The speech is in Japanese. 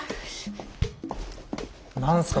何すか？